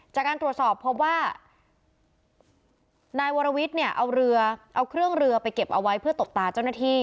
จากการตรวจสอบพบว่านายวรวิทย์เนี่ยเอาเรือเอาเครื่องเรือไปเก็บเอาไว้เพื่อตบตาเจ้าหน้าที่